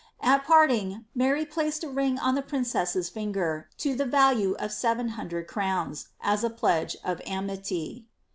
At parting, Mary plac^ a ring on the prin Ms's finger, to the value of seven hundred crowns, as a pledge of aity.